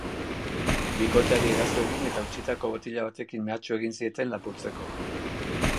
Bikoteari eraso egin eta hautsitako botila batekin mehatxu egin zieten lapurtzeko.